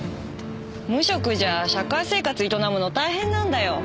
無職じゃ社会生活営むの大変なんだよ。